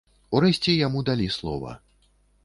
Урэшце, яму далі слова.